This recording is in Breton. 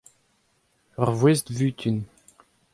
ur voest-vutun.